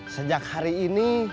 sejak hari ini